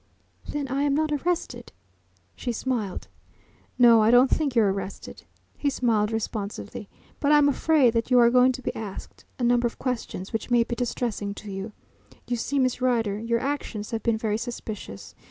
"Then I am not arrested?" she smiled. "No, I don't think you're arrested." He smiled responsively. "But I'm afraid that you are going to be asked a number of questions which may be distressing to you. You see, Miss Rider, your actions have been very suspicious.